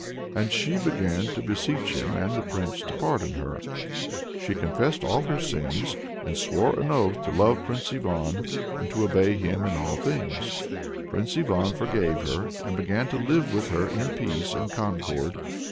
And she began to beseech him and the Prince to pardon her. She confessed all her sins, and swore an oath always to love Prince Ivan, and to obey him in all things. Prince Ivan forgave her, and began to live with her in peace and concord.